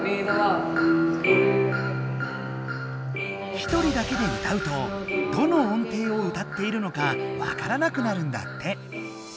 ひとりだけで歌うとどの音程を歌っているのか分からなくなるんだって。